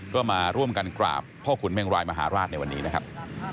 ก็มาร่วมกันกราบพ่อขุนเมงรายมหาราชในวันนี้นะครับ